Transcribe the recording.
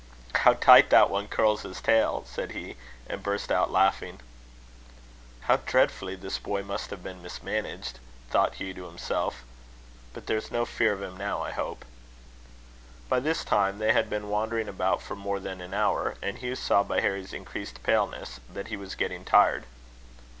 "How tight that one curls his tail!" said he, and burst out laughing. "How dreadfully this boy must have been mismanaged!" thought Hugh to himself. "But there is no fear of him now, I hope." By this time they had been wandering about for more than an hour; and Hugh saw, by Harry's increased paleness, that he was getting tired.